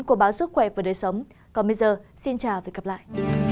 của báo sức khỏe và đời sống còn bây giờ xin chào và hẹn gặp lại